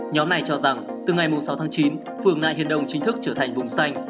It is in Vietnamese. nhóm này cho rằng từ ngày sáu tháng chín phường nại hiền đông chính thức trở thành vùng xanh